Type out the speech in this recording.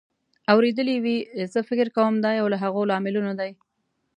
اورېدلې وې. زه فکر کوم دا یو له هغو لاملونو دی